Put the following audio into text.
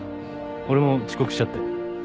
俺も遅刻しちゃって。